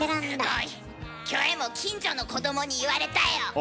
キョエも近所の子供に言われたよ。